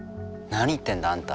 何言ってんだあんた。